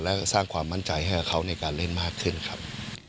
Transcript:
และสร้างความมั่นใจให้กับเขาในการเล่นมากขึ้นครับ